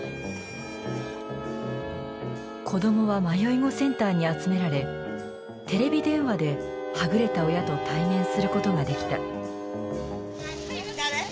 子供は迷い子センターに集められテレビ電話ではぐれた親と対面することができた。